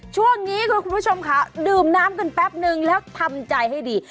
ช่วงนี้ดื่มน้ำกันแป๊ปนึงแล้วดื่มใจให้ดี